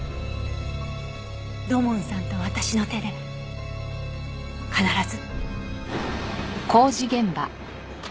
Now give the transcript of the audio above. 土門さんと私の手で必ず。